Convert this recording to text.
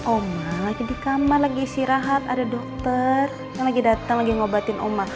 oma lagi di kamar lagi isi rahat ada dokter yang lagi dateng lagi ngobatin oma